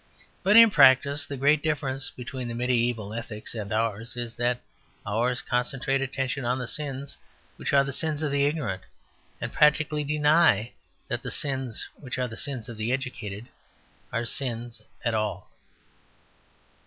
But in practice the great difference between the mediaeval ethics and ours is that ours concentrate attention on the sins which are the sins of the ignorant, and practically deny that the sins which are the sins of the educated are sins at all.